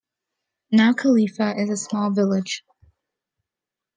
Now Kelefa is a small village.